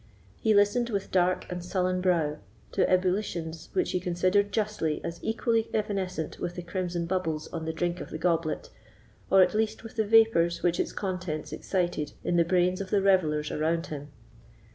He listened with dark and sullen brow to ebullitions which he considered justly as equally evanescent with the crimson bubbles on the brink of the goblet, or at least with the vapours which its contents excited in the brains of the revellers around him.